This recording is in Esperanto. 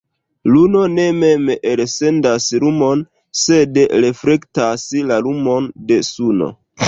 Luno ne mem elsendas lumon, sed reflektas la lumon de Suno.